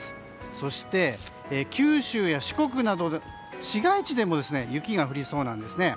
そして、九州や四国などの市街地でも雪が降りそうなんですね。